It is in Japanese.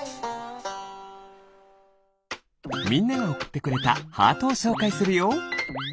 みんながおくってくれたハートをしょうかいするよ。